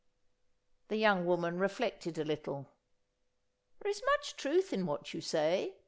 The young woman reflected a little. "There is much truth in what you say.